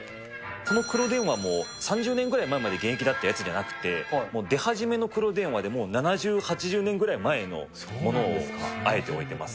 この黒電話も、３０年ぐらい前まで現役だったやつじゃなくて、もう出始めの黒電話で、もう７０、８０年ぐらい前のものを、あえて置いてます。